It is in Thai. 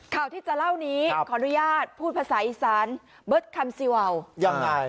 ข่าวที่จะเล่านี้ขออนุญาตพูดภาษาอีสานเบิร์ตคัมซีวาวยังไง